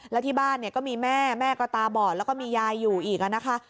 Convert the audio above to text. แล้วที่บ้านเนี่ยก็มีแม่แม่ก็ตาบอดแล้วก็มียายอยู่อีกนะคะ